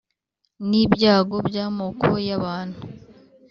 n’ibyago by’amoko y’abantu,